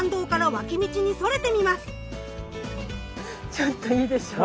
ちょっといいでしょう。